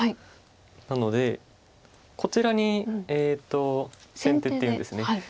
なのでこちらに先手っていうんですね。